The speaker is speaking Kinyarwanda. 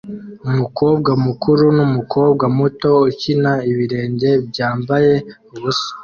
Umukobwa mukuru numukobwa muto ukina ibirenge byambaye ubusa